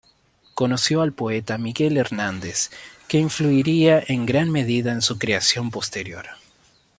Conoció al poeta Miguel Hernández, que influiría en gran medida en su creación posterior.